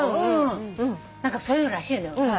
何かそういうのらしいのよ。